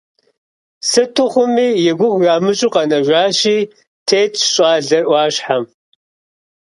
Сыту хъуми, и гугъу ямыщӏу къагъэнэжащи, тетщ щӏалэр ӏуащхьэм.